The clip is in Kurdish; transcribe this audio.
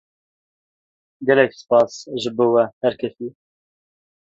Gelek spas ji bo we her kesî.